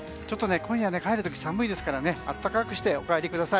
今夜、帰る時、寒いですから暖かくしてお帰りください。